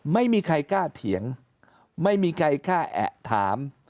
ไม่มีใครกล้าเถียงไม่มีใครกล้าแอะถาม